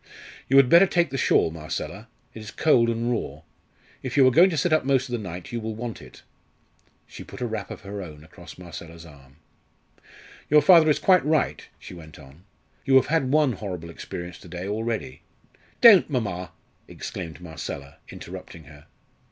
"You had better take the shawl, Marcella: it is cold and raw. If you are going to sit up most of the night you will want it." She put a wrap of her own across Marcella's arm. "Your father is quite right," she went on. "You have had one horrible experience to day already " "Don't, mamma!" exclaimed Marcella, interrupting her.